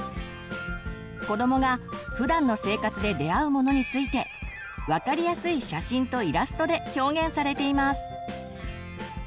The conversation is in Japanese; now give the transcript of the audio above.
子どもがふだんの生活で出会うものについて分かりやすい写真とイラストで表現されています。